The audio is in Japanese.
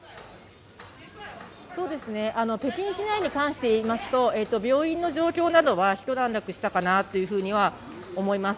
北京市内に関していいますと、病院の状況などは一段落したかなと思います。